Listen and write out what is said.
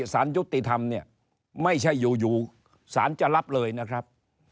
สารยุติธรรมเนี่ยไม่ใช่อยู่สารจะรับเลยนะครับ